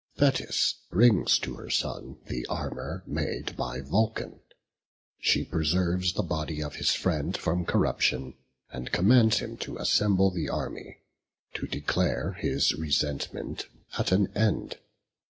Thetis brings to her son the armour made by Vulcan. She preserves the body of his friend from corruption, and commands him to assemble the army, to declare his resentment at an end.